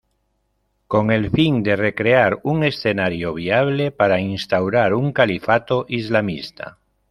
Con el fin de recrear un escenario viable para instaurar un califato islamista.